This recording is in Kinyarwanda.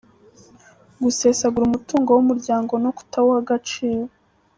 Gusesagura umutungo w’umuryango no kutawuha agaciro.